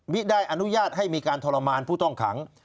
ไม่ได้อนุญาตให้มีการทรมานผู้ต้องขัง